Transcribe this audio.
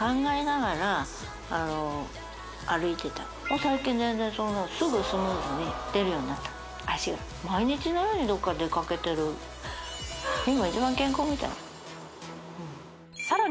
最近全然すぐスムーズに出るようになった脚が毎日のようにどっか出かけてる今一番健康みたいうんさらに